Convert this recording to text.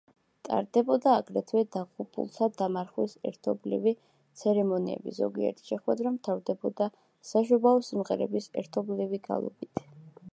ტარდებოდა აგრეთვე დაღუპულთა დამარხვის ერთობლივი ცერემონიები, ზოგიერთი შეხვედრა მთავრდებოდა საშობაო სიმღერების ერთობლივი გალობით.